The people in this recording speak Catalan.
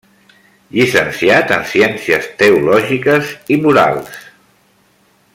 Llicenciat en Ciències Teològiques i Morales.